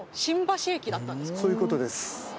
そういうことです。